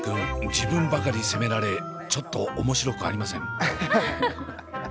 自分ばかり責められちょっと面白くありません。